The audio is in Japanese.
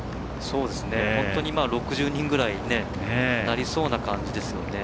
本当に６０人ぐらいになりそうな感じですよね。